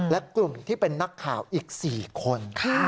และกลุ่มที่เป็นนักข่าวอีก๔คน